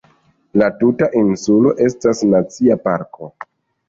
La tuta insulo estas nacia parko.